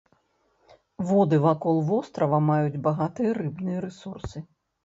Воды вакол вострава маюць багатыя рыбныя рэсурсы.